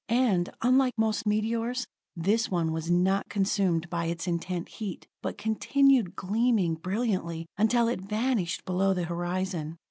And, unlike most meteors, this one was not consumed by its intense heat, but continued gleaming brilliantly until it vanished below the horizon.